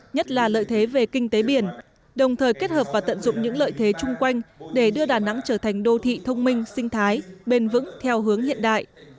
nhất là lợi thế về kinh tế biển đồng thời kết hợp và tận dụng những lợi thế chung quanh để đưa đà nẵng trở thành đô thị thông minh sinh thái bền vững theo hướng hiện đại